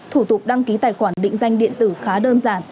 thủ tục đăng ký tài khoản định danh điện tử khá đơn giản